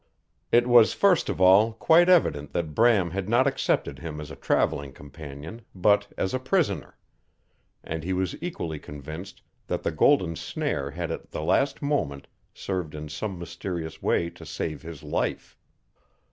It was, first of all, quite evident that Bram had not accepted him as a traveling companion, but as a prisoner; and he was equally convinced that the golden snare had at the last moment served in some mysterious way to save his life.